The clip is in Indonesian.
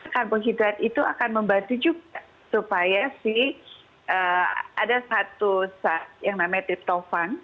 karbohidrat itu akan membantu juga supaya si ada satu yang namanya tiptofan